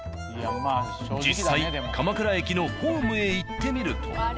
実際鎌倉駅のホームへ行ってみると。